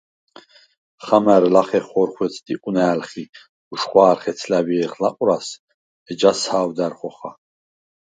ხამა̈რ ლახე ხორხვეცდ იყვნა̄̈ლხ ი უშხვა̄რ ხეცლა̈ვჲე̄ლხ ლაყვრას, ეჯას ჰა̄ვდა̈რ ხოხა.